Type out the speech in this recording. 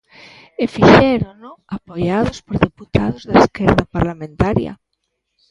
E fixérono apoiados por deputados da esquerda parlamentaria.